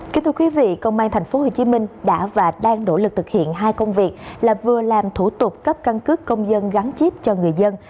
công an tp hcm đã và đang nỗ lực thực hiện hai công việc là vừa làm thủ tục cấp căn cứ công dân gắn chip cho người dân